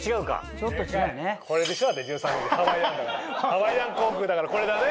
ハワイアン航空だからこれだね。